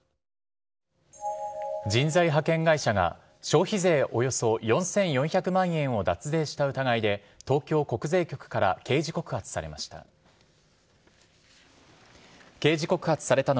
人材派遣会社が、消費税およそ４４００万円を脱税した疑いで、東京国税局から刑事告発されました。